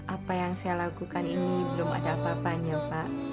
apa yang saya lakukan ini belum ada apa apanya pak